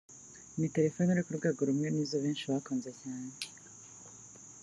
ni telefone iri ku rwego rumwe n’izo benshi bakunze cyane